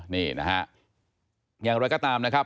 นี่นะฮะ